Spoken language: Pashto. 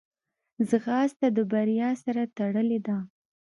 ځغاسته د بریا سره تړلې ده